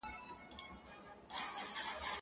• مرګه ستا په پسته غېږ کي له آرامه ګیله من یم -